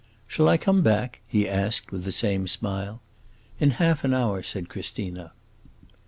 "Shall I come back?" he asked with the same smile. "In half an hour," said Christina.